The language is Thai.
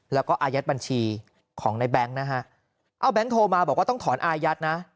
แล้วก็อายัดบัญชีของในแบงค์นะฮะเอาแก๊งโทรมาบอกว่าต้องถอนอายัดนะ